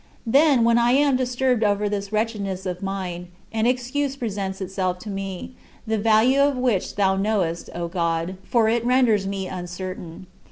Then, when I am disturbed over this wretchedness of mine, an excuse presents itself to me, the value of which thou knowest, O God, for it renders me uncertain.